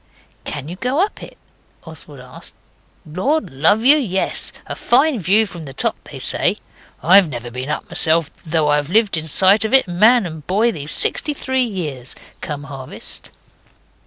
'Can you go up it?' Oswald asked. 'Lord love you! yes; a fine view from the top they say. I've never been up myself, though I've lived in sight of it, boy and man, these sixty three years come harvest.